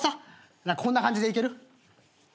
こんな感じでいける？